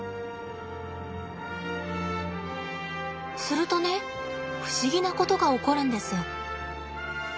するとね不思議なことが起こるんです。